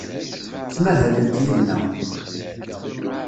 Ttmahalent yid-neɣ.